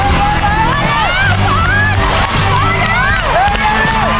ตำแหน่งหมายเลข๕คือรูปสัตว์ชนิดใด